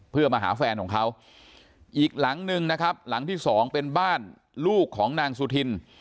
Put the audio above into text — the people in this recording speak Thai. เพื่อมาหาแฟนของเขาอีกหลังนึงนะครับหลังที่สองเป็นบ้านลูกของนางสุธิน